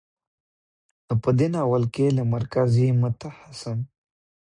نو په دې ناول کې له مرکزي، متخاصم،